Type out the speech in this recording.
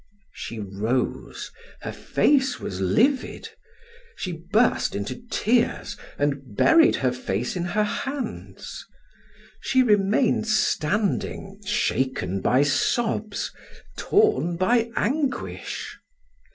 She rose; her face was livid; she burst into tears and buried her face in her hands. She remained standing, shaken by sobs, torn by anguish.